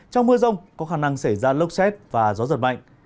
trong mưa rông có khả năng xảy ra lốc xét và gió giật mạnh